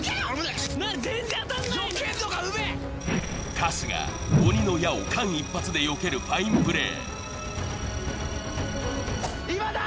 春日、鬼の矢を間一髪でよけるファインプレー。